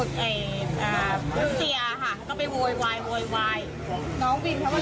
น้องวินเขาเลยเข้าไปบอกกับมันว่าให้ออกมาอะไรอย่างนี้